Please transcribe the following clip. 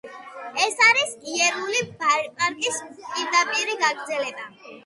ეს არის იურული პარკის პირდაპირი გაგრძელება.